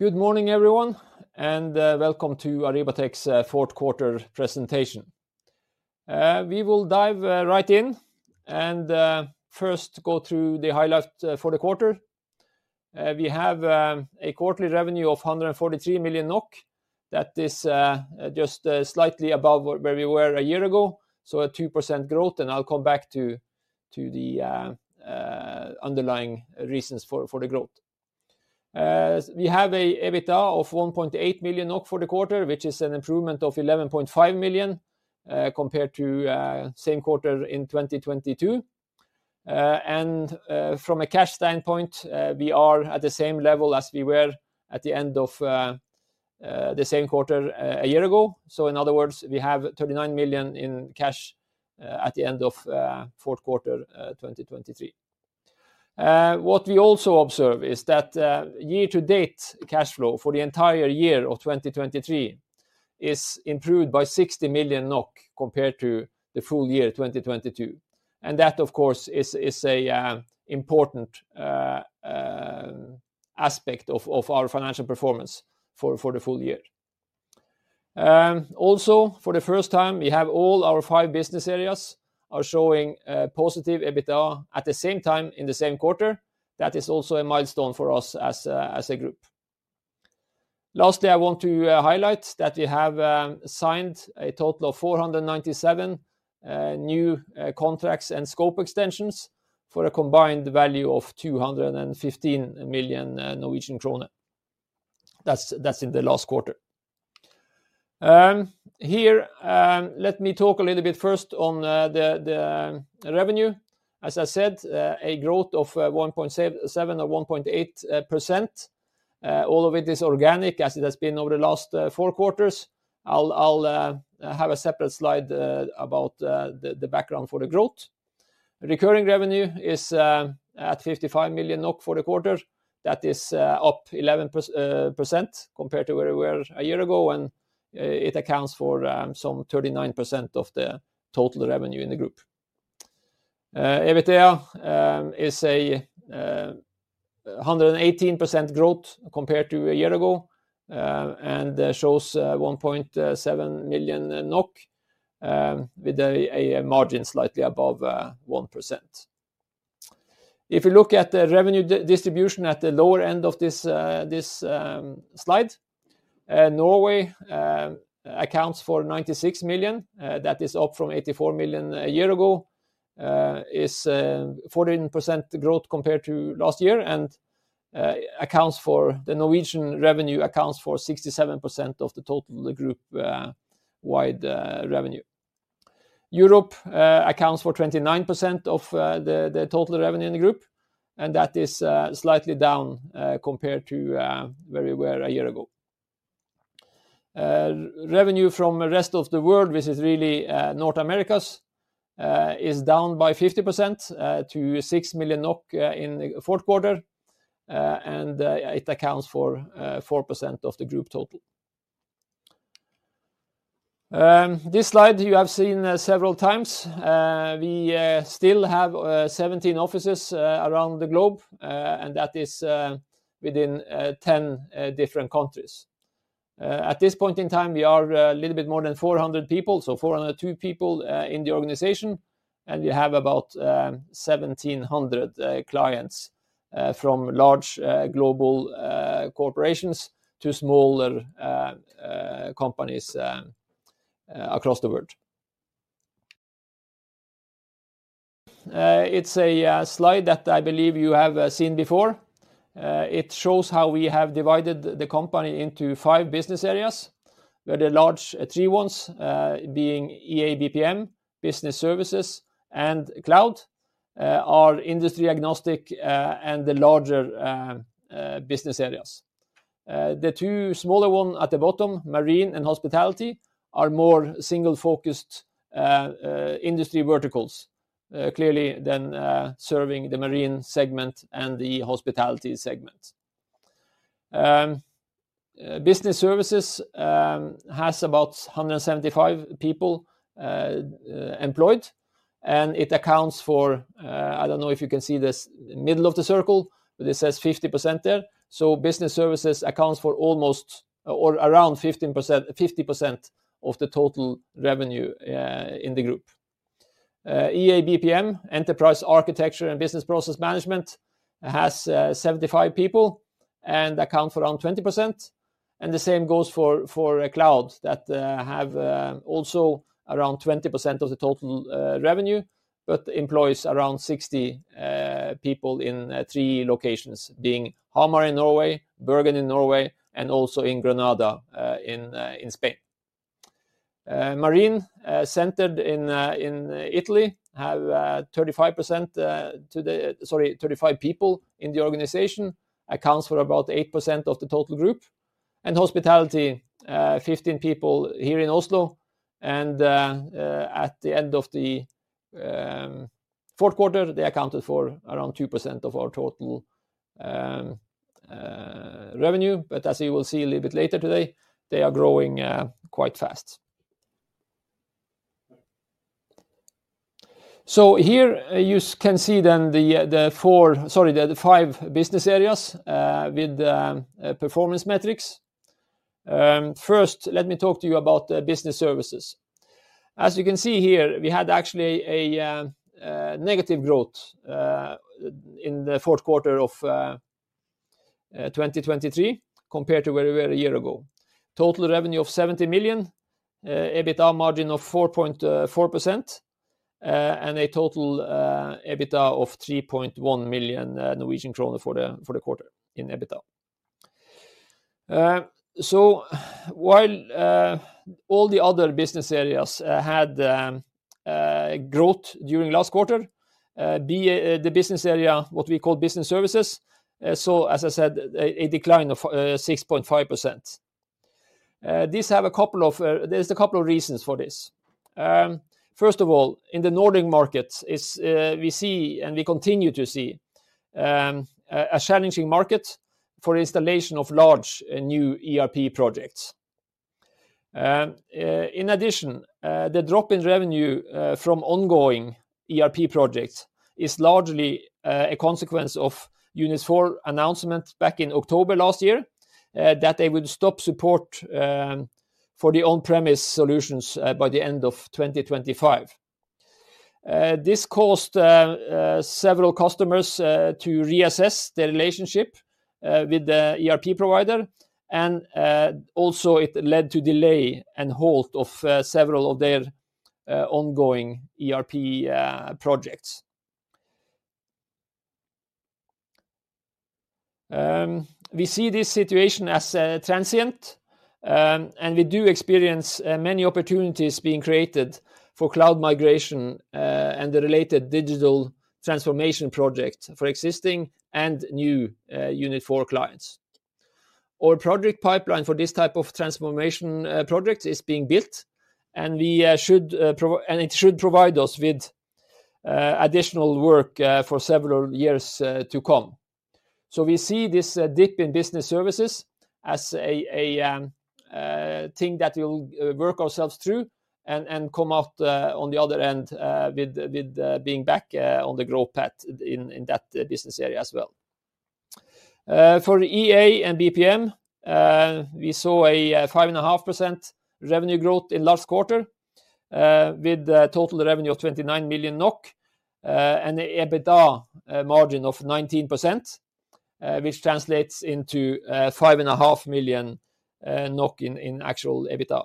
Good morning, everyone, and welcome to Arribatec's fourth quarter presentation. We will dive right in and first go through the highlights for the quarter. We have a quarterly revenue of 143 million NOK. That is just slightly above where we were a year ago, so a 2% growth, and I'll come back to the underlying reasons for the growth. We have an EBITDA of 1.8 million NOK for the quarter, which is an improvement of 11.5 million compared to the same quarter in 2022. From a cash standpoint, we are at the same level as we were at the end of the same quarter a year ago. So in other words, we have 39 million in cash at the end of fourth quarter 2023. What we also observe is that year-to-date cash flow for the entire year of 2023 is improved by 60 million NOK compared to the full year 2022. That, of course, is an important aspect of our financial performance for the full year. Also, for the first time, we have all our five business areas showing positive EBITDA at the same time in the same quarter. That is also a milestone for us as a group. Lastly, I want to highlight that we have signed a total of 497 new contracts and scope extensions for a combined value of 215 million Norwegian krone. That's in the last quarter. Here, let me talk a little bit first on the revenue. As I said, a growth of 1.7%-1.8%. All of it is organic, as it has been over the last four quarters. I'll have a separate slide about the background for the growth. Recurring revenue is at 55 million NOK for the quarter. That is up 11% compared to where we were a year ago, and it accounts for some 39% of the total revenue in the group. EBITDA is a 118% growth compared to a year ago and shows 1.7 million NOK, with a margin slightly above 1%. If you look at the revenue distribution at the lower end of this slide, Norway accounts for 96 million. That is up from 84 million a year ago. It is 14% growth compared to last year, and the Norwegian revenue accounts for 67% of the total group-wide revenue. Europe accounts for 29% of the total revenue in the group, and that is slightly down compared to where we were a year ago. Revenue from the rest of the world, which is really North America, is down by 50% to 6 million NOK in the fourth quarter, and it accounts for 4% of the group total. This slide you have seen several times. We still have 17 offices around the globe, and that is within 10 different countries. At this point in time, we are a little bit more than 400 people, so 402 people in the organization, and we have about 1,700 clients from large global corporations to smaller companies across the world. It's a slide that I believe you have seen before. It shows how we have divided the company into five business areas, where the large three ones, being EA & BPM, business services, and cloud, are industry-agnostic and the larger business areas. The two smaller ones at the bottom, marine and hospitality, are more single-focused industry verticals, clearly then serving the marine segment and the hospitality segment. Business services has about 175 people employed, and it accounts for I don't know if you can see this middle of the circle, but it says 50% there. Business services accounts for almost or around 50% of the total revenue in the group. EA & BPM, Enterprise Architecture and Business Process Management, has 75 people and accounts for around 20%. The same goes for cloud that have also around 20% of the total revenue, but employs around 60 people in three locations, being Hamar in Norway, Bergen in Norway, and also in Granada in Spain. Marine, centered in Italy, have 35%, sorry, 35 people in the organization, accounts for about 8% of the total group. And hospitality, 15 people here in Oslo. At the end of the fourth quarter, they accounted for around 2% of our total revenue. But as you will see a little bit later today, they are growing quite fast. Here you can see then the four sorry, the five business areas with performance metrics. First, let me talk to you about business services. As you can see here, we had actually a negative growth in the fourth quarter of 2023 compared to where we were a year ago. Total revenue of 70 million, EBITDA margin of 4.4%, and a total EBITDA of 3.1 million Norwegian kroner for the quarter in EBITDA. While all the other business areas had growth during last quarter, the business area, what we call business services, saw, as I said, a decline of 6.5%. There's a couple of reasons for this. First of all, in the Nordic markets, we see and we continue to see a challenging market for the installation of large new ERP projects. In addition, the drop in revenue from ongoing ERP projects is largely a consequence Unit4 announcement back in October last year, that they would stop support for the on-premise solutions by the end of 2025. This caused several customers to reassess their relationship with the ERP provider, and also it led to delay and hold of several of their ongoing ERP projects. We see this situation as transient, and we do experience many opportunities being created for cloud migration and the related digital transformation projects for existing and Unit4 clients. Our project pipeline for this type of transformation project is being built, and we should and it should provide us with additional work for several years to come. We see this dip in business services as a thing that we'll work ourselves through and come out on the other end with being back on the growth path in that business area as well. For EA and BPM, we saw a 5.5% revenue growth in last quarter with total revenue of 29 million NOK and an EBITDA margin of 19%, which translates into 5.5 million NOK in actual EBITDA.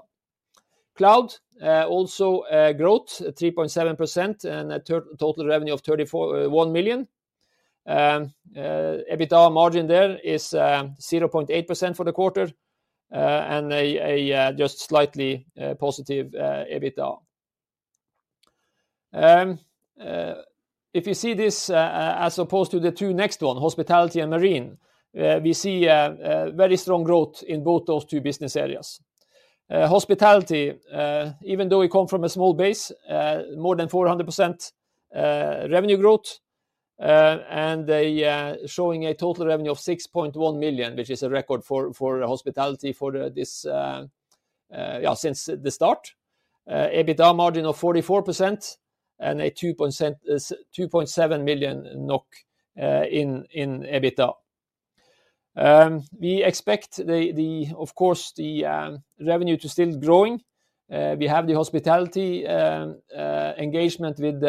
Cloud also growth, 3.7% and a total revenue of 31 million. EBITDA margin there is 0.8% for the quarter and a just slightly positive EBITDA. If you see this as opposed to the two next ones, hospitality and marine, we see very strong growth in both those two business areas. Hospitality, even though it comes from a small base, more than 400% revenue growth and showing a total revenue of 6.1 million, which is a record for hospitality for this since the start. EBITDA margin of 44% and 2.7 million NOK in EBITDA. We expect, of course, the revenue to still be growing. We have the hospitality engagement with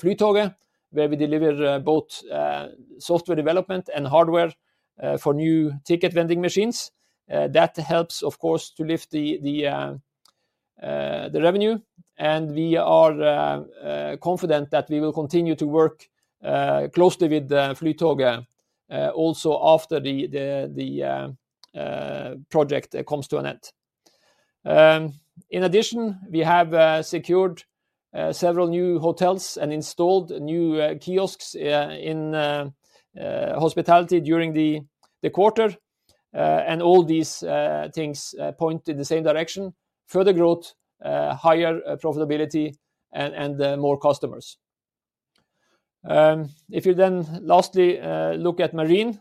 Flytoget, where we deliver both software development and hardware for new ticket vending machines. That helps, of course, to lift the revenue. We are confident that we will continue to work closely with Flytoget also after the project comes to an end. In addition, we have secured several new hotels and installed new kiosks in hospitality during the quarter. All these things point in the same direction: further growth, higher profitability, and more customers. If you then lastly look at marine,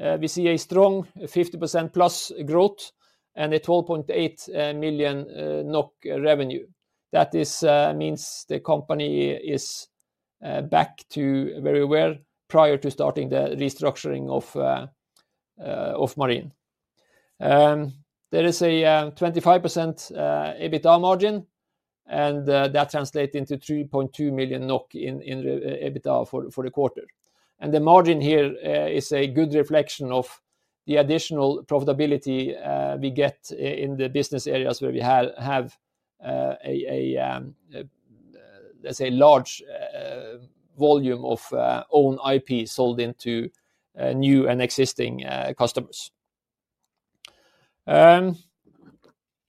we see a strong 50%+ growth and 12.8 million NOK revenue. That means the company is back to where we were prior to starting the restructuring of marine. There is a 25% EBITDA margin, and that translates into 3.2 million NOK in EBITDA for the quarter. The margin here is a good reflection of the additional profitability we get in the business areas where we have, let's say, a large volume of own IP sold into new and existing customers.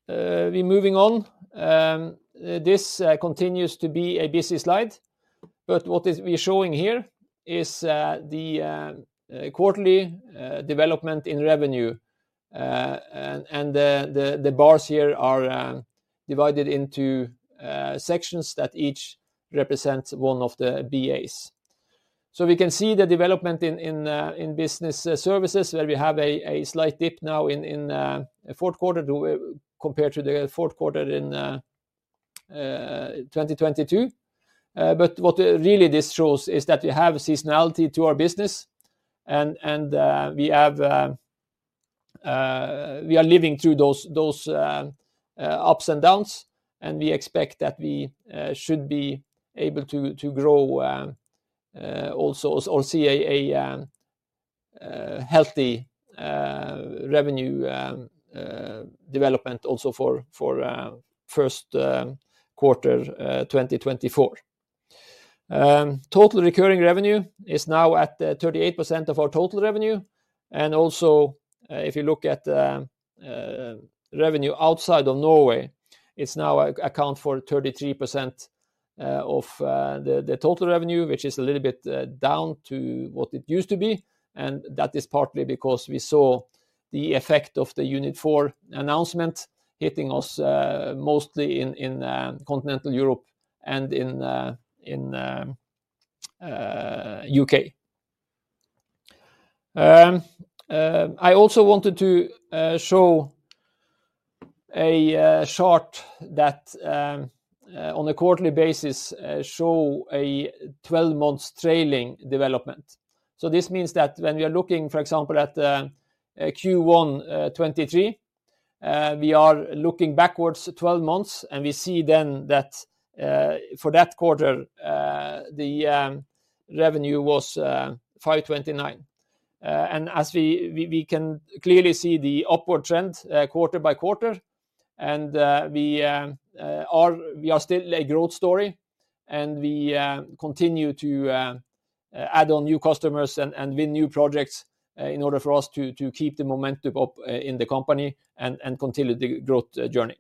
Moving on, this continues to be a busy slide. What we're showing here is the quarterly development in revenue. The bars here are divided into sections that each represent one of the BAs. We can see the development in business services, where we have a slight dip now in fourth quarter compared to the fourth quarter in 2022. What really this shows is that we have seasonality to our business, and we are living through those ups and downs. We expect that we should be able to grow also or see a healthy revenue development also for first quarter 2024. Total recurring revenue is now at 38% of our total revenue. Also, if you look at revenue outside of Norway, it now accounts for 33% of the total revenue, which is a little bit down to what it used to be. That is partly because we saw the effect of the Unit4 announcement hitting us mostly in continental Europe and in U.K. I also wanted to show a chart that, on a quarterly basis, shows a 12-month trailing development. This means that when we are looking, for example, at Q1 2023, we are looking backwards 12 months, and we see then that for that quarter, the revenue was 529 million. As we can clearly see the upward trend quarter-by-quarter, we are still a growth story, and we continue to add on new customers and win new projects in order for us to keep the momentum up in the company and continue the growth journey.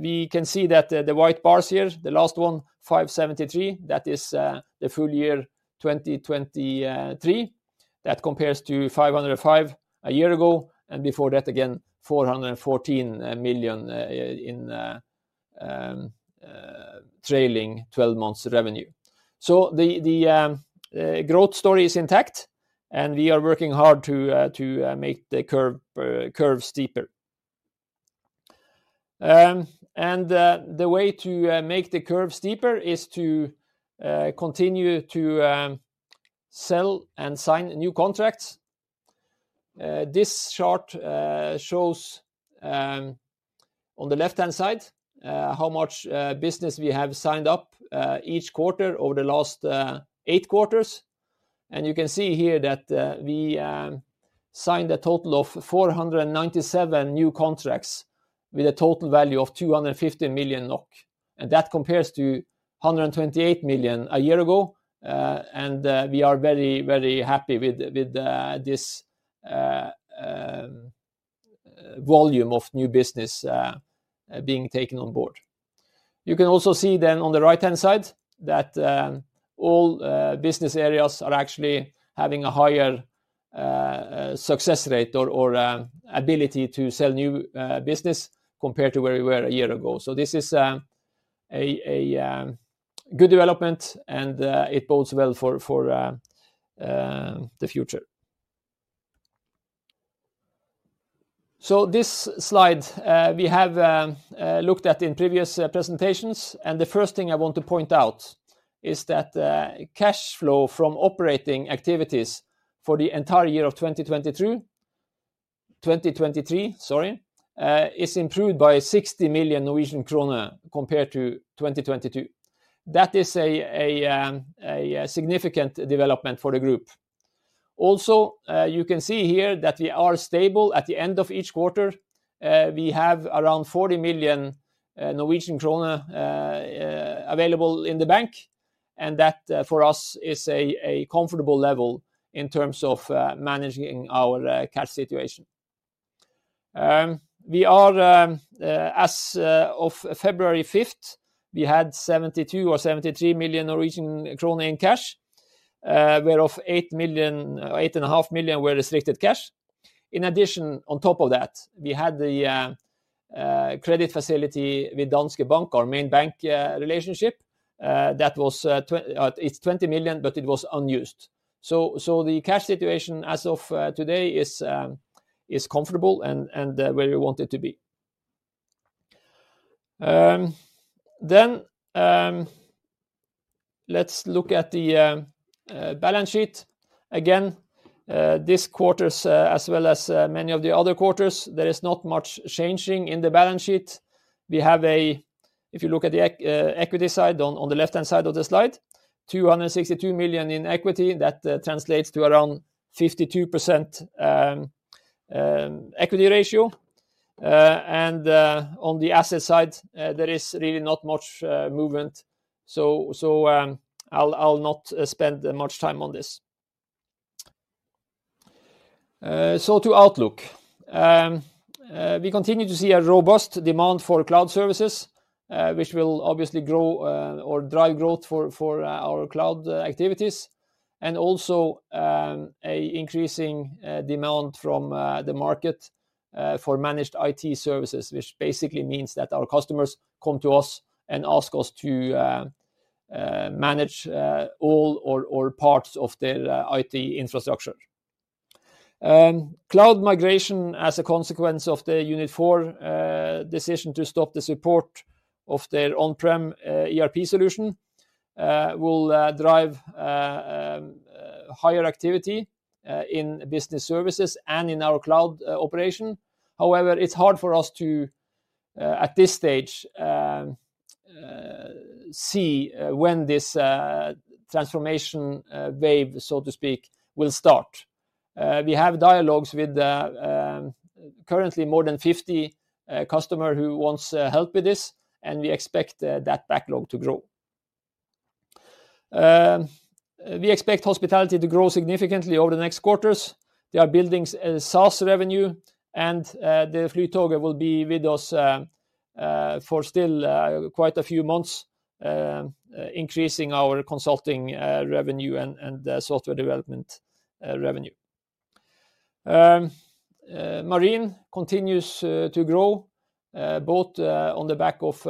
We can see that the white bars here, the last one, 573 million, that is the full year 2023. That compares to 505 million a year ago. And before that, again, 414 million in trailing 12-months revenue. The growth story is intact, and we are working hard to make the curve steeper. The way to make the curve steeper is to continue to sell and sign new contracts. This chart shows, on the left-hand side, how much business we have signed up each quarter over the last eight quarters. You can see here that we signed a total of 497 new contracts with a total value of 215 million NOK. That compares to 128 million a year ago. We are very, very happy with this volume of new business being taken on board. You can also see then on the right-hand side that all business areas are actually having a higher success rate or ability to sell new business compared to where we were a year ago. This is a good development, and it bodes well for the future. This slide, we have looked at in previous presentations. The first thing I want to point out is that cash flow from operating activities for the entire year of 2022, 2023 sorry, is improved by 60 million Norwegian kroner compared to 2022. That is a significant development for the group. Also, you can see here that we are stable at the end of each quarter. We have around 40 million Norwegian krone available in the bank. And that, for us, is a comfortable level in terms of managing our cash situation. As of February fifth, we had 72 million or 73 million Norwegian krone in cash, whereof 8.5 million were restricted cash. In addition, on top of that, we had the credit facility with Danske Bank, our main bank relationship. That was it's 20 million, but it was unused. The cash situation as of today is comfortable and where we want it to be. Then let's look at the balance sheet. Again, this quarter's, as well as many of the other quarters, there is not much changing in the balance sheet. We have, if you look at the equity side on the left-hand side of the slide, 262 million in equity. That translates to around 52% equity ratio. And on the asset side, there is really not much movement. I'll not spend much time on this. So to Outlook, we continue to see a robust demand for cloud services, which will obviously grow or drive growth for our cloud activities, and also an increasing demand from the market for managed IT services, which basically means that our customers come to us and ask us to manage all or parts of their IT infrastructure. Cloud migration, as a consequence of Unit4 decision to stop the support of their on-prem ERP solution, will drive higher activity in business services and in our cloud operation. However, it's hard for us to, at this stage, see when this transformation wave, so to speak, will start. We have dialogues with currently more than 50 customers who want help with this, and we expect that backlog to grow. We expect hospitality to grow significantly over the next quarters. There are billings as SaaS revenue, and the Flytoget will be with us for still quite a few months, increasing our consulting revenue and software development revenue. Marine continues to grow both on the back of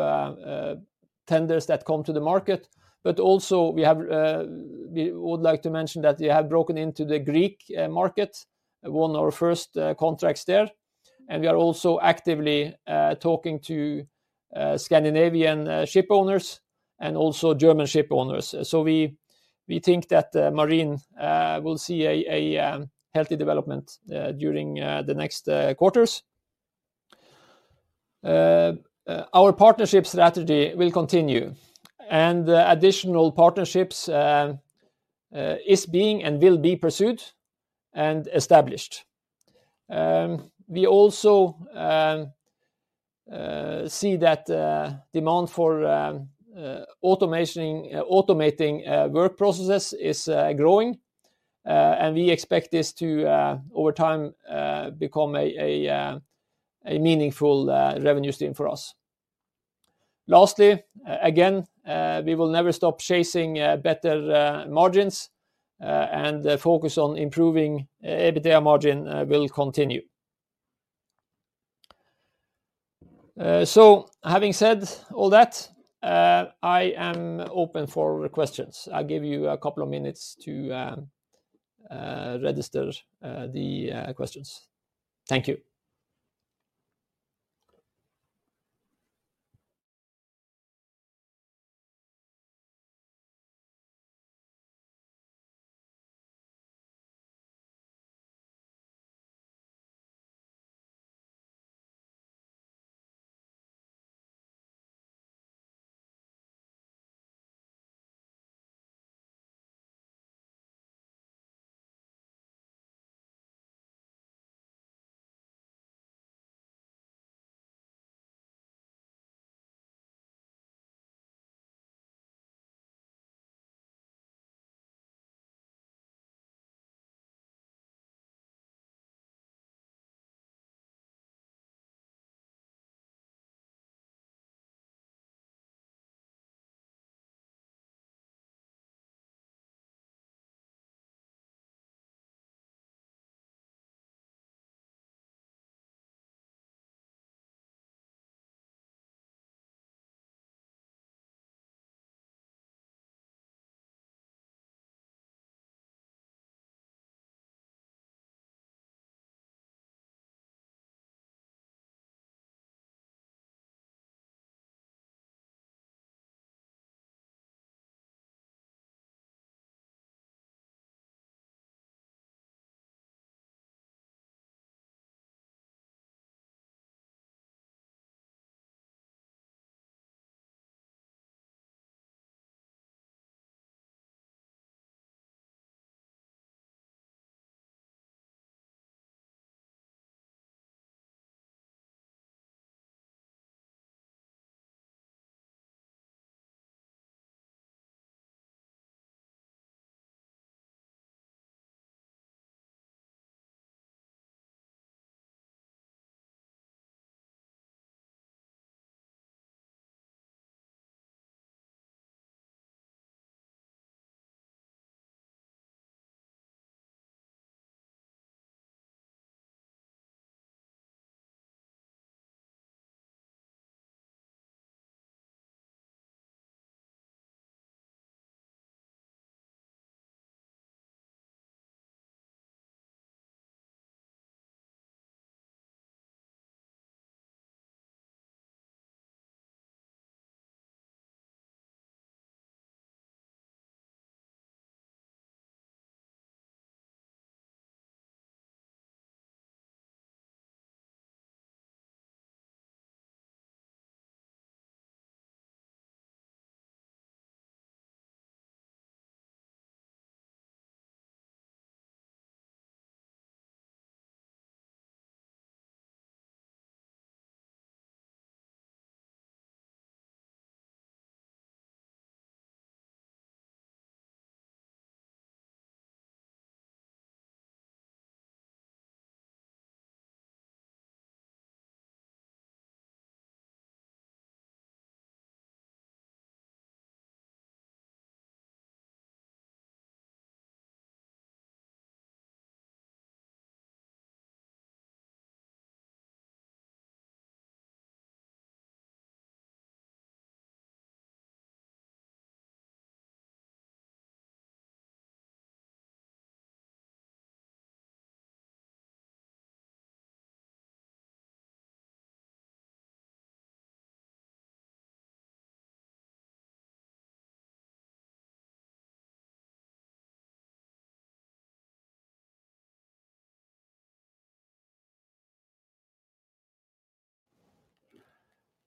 tenders that come to the market. But also, we would like to mention that we have broken into the Greek market, won our first contracts there. We are also actively talking to Scandinavian shipowners and also German shipowners. We think that marine will see a healthy development during the next quarters. Our partnership strategy will continue. Additional partnerships are being and will be pursued and established. We also see that demand for automating work processes is growing. We expect this to, over time, become a meaningful revenue stream for us. Lastly, again, we will never stop chasing better margins. The focus on improving EBITDA margin will continue. So having said all that, I am open for questions. I'll give you a couple of minutes to register the questions. Thank you.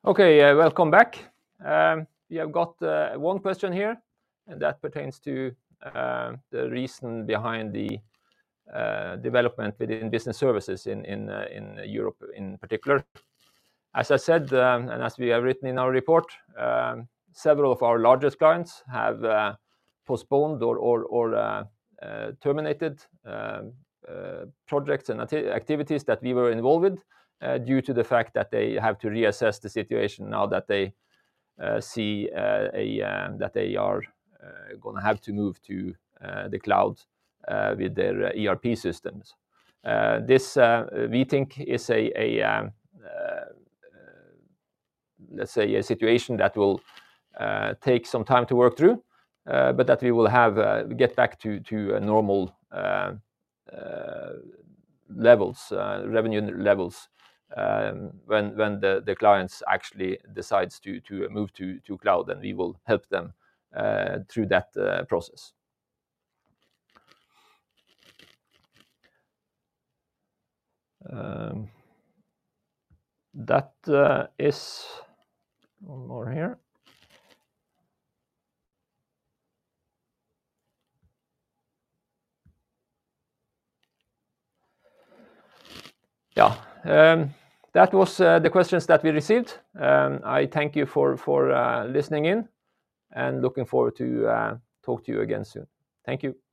Okay. Welcome back. We have got one question here, and that pertains to the reason behind the development within business services in Europe in particular. As I said, and as we have written in our report, several of our largest clients have postponed or terminated projects and activities that we were involved with due to the fact that they have to reassess the situation now that they see that they are going to have to move to the cloud with their ERP systems. This, we think, is a, let's say, a situation that will take some time to work through, but that we will get back to normal revenue levels when the client actually decides to move to cloud, and we will help them through that process. That is one more here. Yeah. That was the questions that we received. I thank you for listening in and looking forward to talking to you again soon. Thank you.